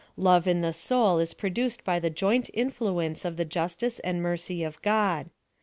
Love in the soul is pro duced by the joint influence of the justice and mercy of God.